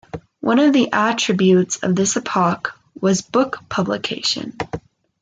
One of the attributes of this epoch was book publication.